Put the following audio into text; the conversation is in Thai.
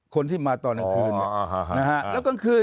คนที่มาตอนกลางคืน